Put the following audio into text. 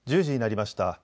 １０時になりました。